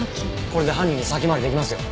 これで犯人に先回り出来ますよ！